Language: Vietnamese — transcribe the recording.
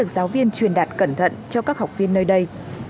giáo viên truyền đạt cẩn thận cho các học viên nơi đây